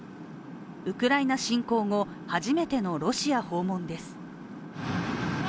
ウクライナ侵攻後、初めてのロシア訪問です。